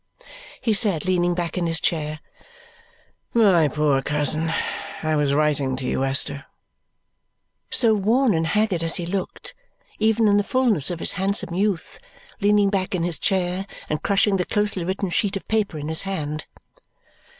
he said, leaning back in his chair. "My poor cousin! I was writing to you, Esther." So worn and haggard as he looked, even in the fullness of his handsome youth, leaning back in his chair and crushing the closely written sheet of paper in his hand!